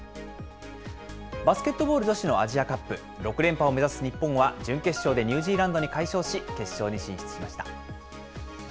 バスケットボール女子のアジアカップ、６連覇を目指す日本は、準決勝でニュージーランドに快勝し、決勝に進出しました。